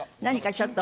ちょっと。